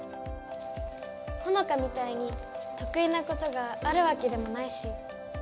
ホノカみたいに得意なことがあるわけでもないし。